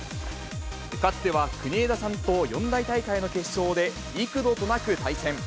かつては国枝さんと四大大会の決勝で幾度となく対戦。